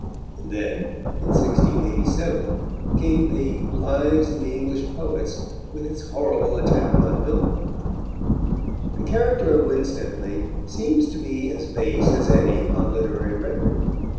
And then, in 1687, came the Lives of the English Poets, with its horrible attack on Milton. The character of Winstanley seems to be as base as any on literary record.